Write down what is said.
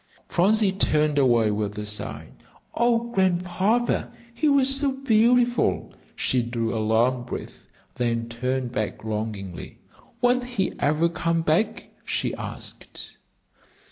Phronsie turned away with a sigh. "Oh, Grandpapa, he was so beautiful!" She drew a long breath, then turned back longingly. "Won't he ever come back?" she asked.